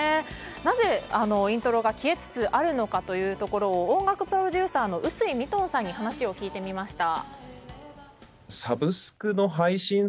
なぜイントロが消えつつあるのかというところを音楽プロデューサーの臼井ミトンさんに話を聞いてみました。